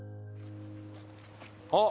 あっ！